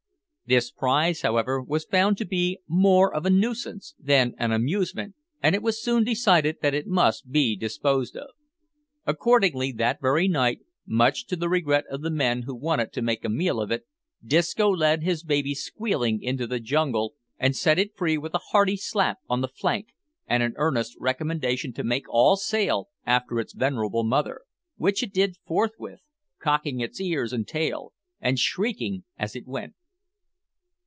This prize, however, was found to be more of a nuisance than an amusement and it was soon decided that it must be disposed of. Accordingly, that very night, much to the regret of the men who wanted to make a meal of it, Disco led his baby squealing into the jungle and set it free with a hearty slap on the flank, and an earnest recommendation to make all sail after its venerable mother, which it did forthwith, cocking its ears and tail, and shrieking as it went.